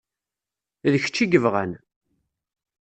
D kečč i yebɣan.